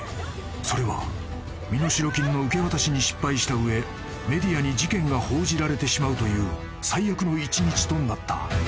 ［それは身代金の受け渡しに失敗した上メディアに事件が報じられてしまうという最悪の一日となった］